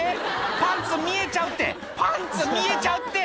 「パンツ見えちゃうってパンツ見えちゃうって！」